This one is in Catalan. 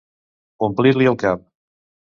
Omplir-li el cap.